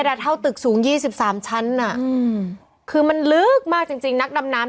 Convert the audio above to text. ๑๐เมตรอะเท่าตึกสูง๒๓ชั้นอะคือมันลึกมากจริงนักดำน้ำ